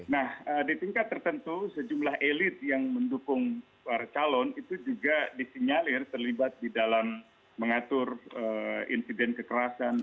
nah di tingkat tertentu sejumlah elit yang mendukung para calon itu juga disinyalir terlibat di dalam mengatur insiden kekerasan